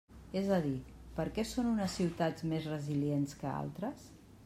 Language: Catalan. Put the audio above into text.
És a dir, ¿per què són unes ciutats més resilients que altres?